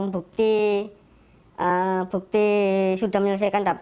bukti sudah menyelesaikan tap tiga